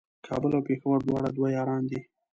کابل او پېښور دواړه دوه یاران دي